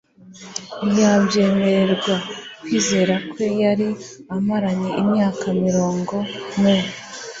Ntiyabyemererwa. Kwizera kwe yari amaranye imyaka mirongo me,